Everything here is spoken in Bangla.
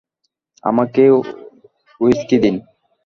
আমাকে হুইস্কি দিন।